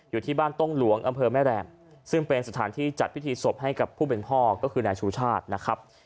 อยู่ที่บ้านต้งหลวงอำเภอแม่แรมซึ่งเป็นสถานที่จัดพิธีศพให้กับผู้เป็นพ่อก็คือนายชูชาตินะครับ